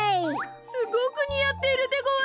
すごくにあっているでごわす。